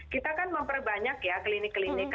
kita kan memperbanyak ya klinik klinik